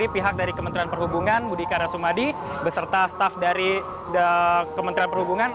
pihak pt railing budi kara sumadi dan staf dari kementerian perhubungan